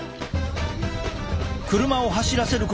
車を走らせること数時間。